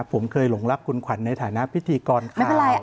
ผมเคยหลงรักคุณขวัญในฐานะพิธีกรค่ะ